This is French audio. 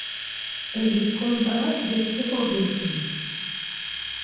Elle y combat le terrorisme.